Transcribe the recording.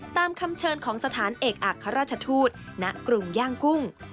ตามคำเชิญของสถานเอกอัครราชทูตณกรุงย่างกุ้ง